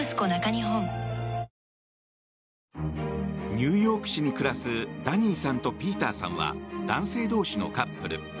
ニューヨーク市に暮らすダニーさんとピーターさんは男性同士のカップル。